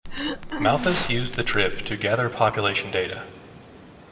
Malthus used the trip to gather population data.